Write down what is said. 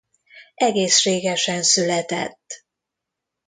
Egészségesen született.